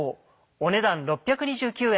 お値段６２９円。